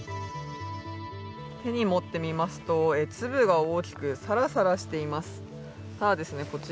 手に持ってみますと、粒が大きくさらさらしています。